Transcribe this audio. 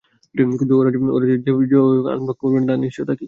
কিন্তু, ওরা যে তোমাকে যেভাবেই হোক আনপ্লাগ করবে না তার নিশ্চয়তা কী?